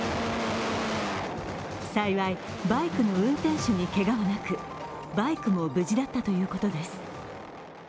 幸い、バイクの運転手にけがはなくバイクも無事だったということです。